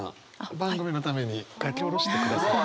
番組のために書き下ろしてくださった。